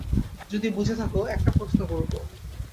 যদি বুঝে থাক একটা প্রশ্ন করব।